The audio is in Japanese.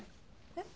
えっ？